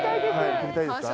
振りたいですか。